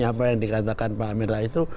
apa yang dikatakan pak amin rais itu